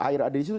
air ada di situ